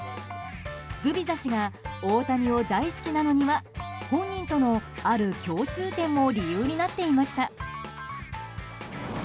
グビザ氏が大谷を大好きなのには本人とのある共通点も理由になっていました。